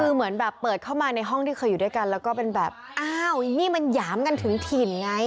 คือเหมือนแบบเปิดเข้ามาในห้องที่เคยอยู่ด้วยกันแล้วก็เป็นแบบอ้าวนี่มันหยามกันถึงถิ่นไง